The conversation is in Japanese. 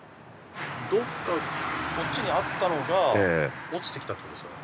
どこかこっちにあったのが落ちてきたって事ですよね？